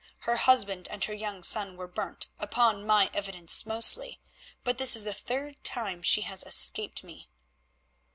Her husband and her young son were burnt, upon my evidence mostly, but this is the third time she has escaped me."